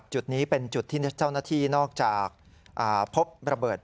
จุดนี้เป็นจุดที่เจ้าหน้าที่นอกจากพบระเบิด